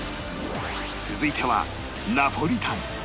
続いてはナポリタン